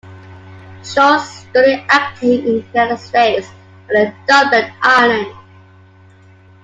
Schull studied acting in the United States and in Dublin, Ireland.